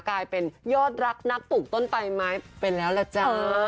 กลายเป็นยอดรักนักปลูกต้นใบไม้ไปแล้วล่ะจ๊ะ